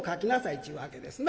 っちゅうわけですな。